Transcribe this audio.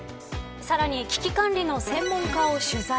さらに危機管理の専門家を取材。